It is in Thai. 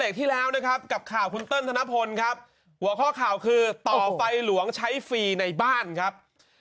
กว่าข้อข่าวต่อไฟหลวงใช้ฟรีในบ้านครับ